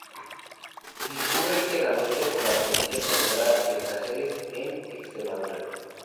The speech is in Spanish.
Discurre íntegramente por la provincia española de Cáceres, en Extremadura.